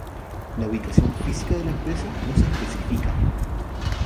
La ubicación física de la empresa no se especifica.